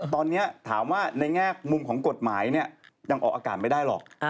ตอนนี้ถามว่าในแง่มุมของกฎหมายเนี่ยยังออกอากาศไม่ได้หรอก